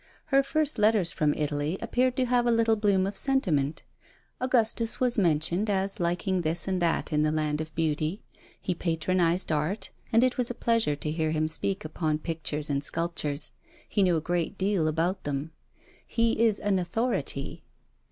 Her first letters from Italy appeared to have a little bloom of sentiment. Augustus was mentioned as liking this and that in the land of beauty. He patronized Art, and it was a pleasure to hear him speak upon pictures and sculptures; he knew a great deal about them. 'He is an authority.'